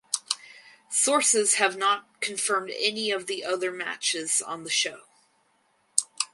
Sources have not confirmed any of the other matches on the show.